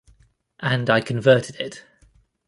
And I converted it.